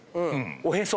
おへそ。